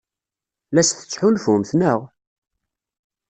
La as-tettḥulfumt, naɣ?